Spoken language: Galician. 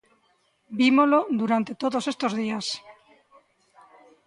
Vímolo durante todos estes días.